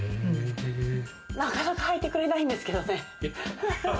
なかなか履いてくれないんですけれどもね。